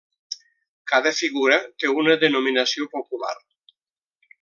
Cada figura té una denominació popular.